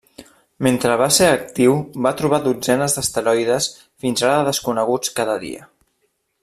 Mentre va ser actiu va trobar dotzenes d'asteroides fins ara desconeguts cada dia.